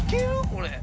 これ。